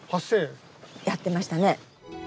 やってましたね。